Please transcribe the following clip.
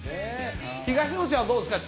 東野ちゃんはどうですか？